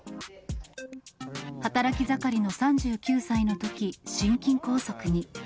働き盛りの３９歳のとき、心筋梗塞に。